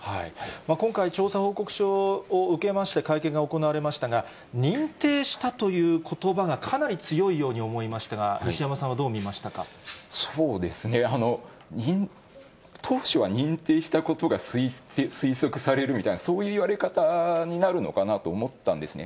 今回、調査報告書を受けまして、会見が行われましたが、認定したということばがかなり強いように思いましたが、そうですね、認定、当初は認定したことが推測されるみたいな、そういう言われ方になるのかなと思ったんですね。